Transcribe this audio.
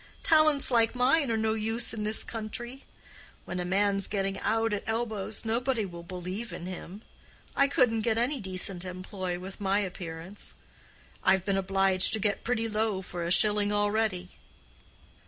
Talents like mine are no use in this country. When a man's getting out at elbows nobody will believe in him. I couldn't get any decent employ with my appearance. I've been obliged to get pretty low for a shilling already."